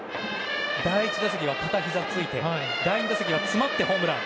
第１打席は片ひざをついて第２打席は詰まってホームラン。